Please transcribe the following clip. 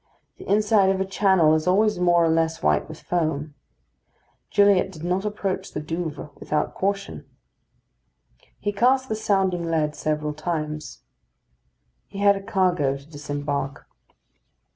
The inside of a channel is always more or less white with foam. Gilliatt did not approach the Douvres without caution. He cast the sounding lead several times. He had a cargo to disembark.